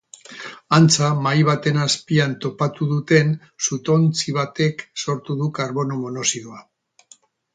Antza, mahai baten azpian topatu duten sutontzi batek sortu du karbono monoxidoa.